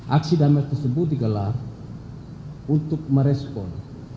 aksi damai tersebut digelar untuk merespon